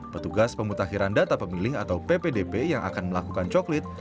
petugas pemutakhiran data pemilih atau ppdp yang akan melakukan coklit